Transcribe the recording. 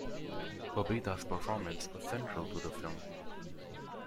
Bobita's performance was central to the film.